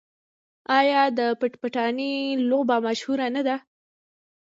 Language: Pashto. آیا د پټ پټانې لوبه مشهوره نه ده؟